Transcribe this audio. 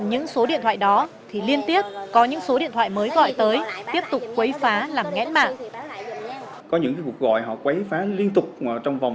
những số điện thoại đó thì liên tiếp có những số điện thoại mới gọi tới tiếp tục quấy phá làm nghẽn mạng